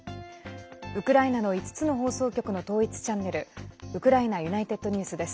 ウクライナの５つの放送局の統一チャンネルウクライナＵｎｉｔｅｄＮｅｗｓです。